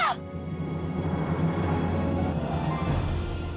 ia harus bersih